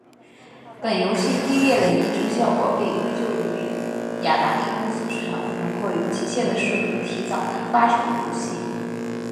本游戏低劣的移植效果被归咎于雅达利公司市场部门过于急切地试图提早发售游戏。